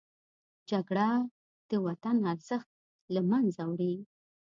جګړه د وطن ارزښت له منځه وړي